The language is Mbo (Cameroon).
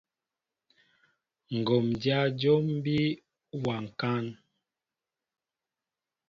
Ŋgǒm dyá jǒm bí wa ŋkán.